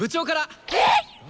えっ！？